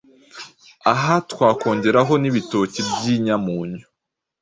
Aha twakongeraho n’ibitoki by’inyamunyu.